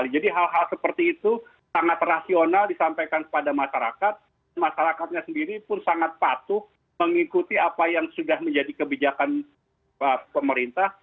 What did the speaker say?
hal hal seperti itu sangat rasional disampaikan kepada masyarakat masyarakatnya sendiri pun sangat patuh mengikuti apa yang sudah menjadi kebijakan pemerintah